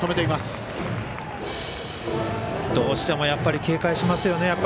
どうしても警戒しますよね